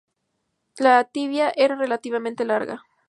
La tibia era relativamente larga.